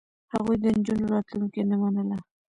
هغوی د نجونو راتلونکې نه منله.